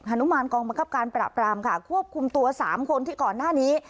นุมานกองบังคับการปราบรามค่ะควบคุมตัวสามคนที่ก่อนหน้านี้